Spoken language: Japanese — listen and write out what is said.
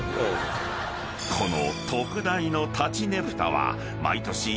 ［この］